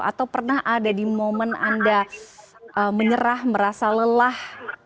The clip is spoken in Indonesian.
atau pernah ada di momen anda menyerah merasa lelah